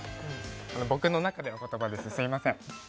僕の中での言葉です、すみません。